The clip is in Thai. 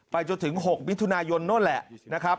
จนถึง๖มิถุนายนโน่นแหละนะครับ